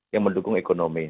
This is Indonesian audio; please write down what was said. yang mendukung ekonomi